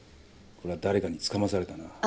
これは誰かにつかまされたな。